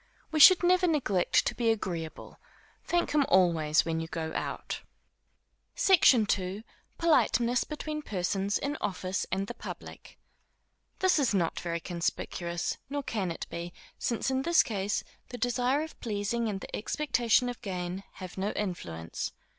We should never neglect to be agreeable. Thank him always when you go out. SECTION II. Politeness between Persons in Office and the Public. This is not very conspicuous; nor can it be, since in this case, the desire of pleasing and the expectation of gain, have no influence.